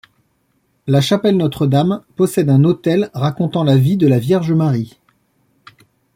La chapelle Notre-Dame possède un autel racontant la vie de la Vierge Marie.